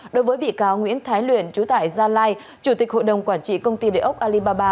đối với bị cáo nguyễn thái luyện chú tại gia lai chủ tịch hội đồng quản trị công ty địa ốc alibaba